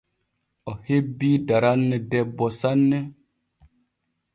O hebbii daranne debbo sanne.